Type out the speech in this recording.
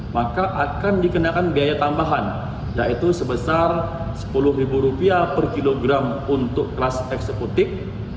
maka akan dikenakan biaya tambahan yaitu sebesar rp sepuluh per kilogram untuk kelas eksekutif